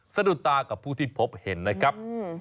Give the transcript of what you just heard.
สะดุดตากับผู้ที่พบเห็นนะครับ